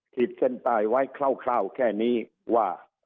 ขีดเส้นใต้ไว้คร่าวแค่นี้ว่า